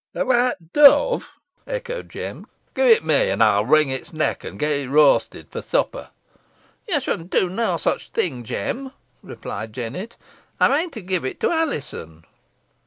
"A white dove!" echoed Jem. "Gi' it me, an ey'n wring its neck, an get it roasted for supper." "Ye shan do nah such thing, Jem," replied Jennet. "Ey mean to gi' it to Alizon."